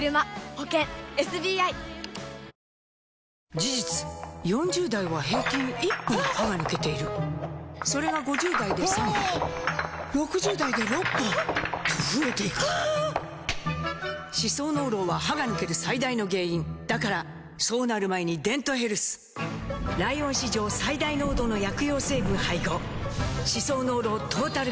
事実４０代は平均１本歯が抜けているそれが５０代で３本６０代で６本と増えていく歯槽膿漏は歯が抜ける最大の原因だからそうなる前に「デントヘルス」ライオン史上最大濃度の薬用成分配合歯槽膿漏トータルケア！